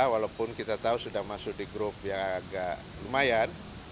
walaupun kita tahu sudah masuk di gru gumayan